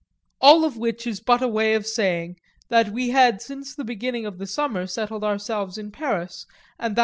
All of which is but a way of saying that we had since the beginning of the summer settled ourselves in Paris, and that M.